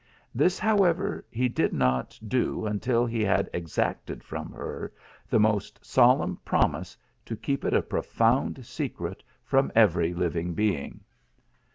This, however, he did not do until he had exacted from her the most solemn promise to keep it a profound secret from every living being.